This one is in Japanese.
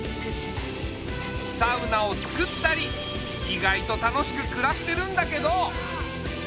サウナをつくったり意外と楽しくくらしてるんだけど。